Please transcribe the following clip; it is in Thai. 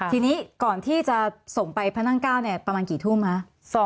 ทีนี้ก่อนที่จะส่งไปพระนั่ง๙ประมาณกี่ทุ่มคะ